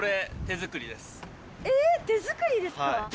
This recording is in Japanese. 手作りですか？